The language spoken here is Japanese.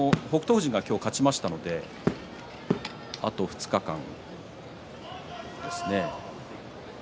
富士は今日勝ちましたのであと２日間ですよね。